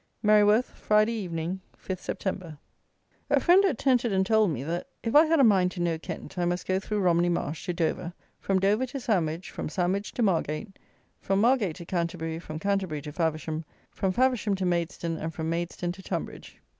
Merryworth, Friday Evening, 5th Sept. A friend at Tenterden told me that, if I had a mind to know Kent, I must go through Romney Marsh to Dover, from Dover to Sandwich, from Sandwich to Margate, from Margate to Canterbury, from Canterbury to Faversham, from Faversham to Maidstone, and from Maidstone to Tonbridge.